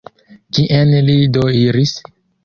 Kien li do iris?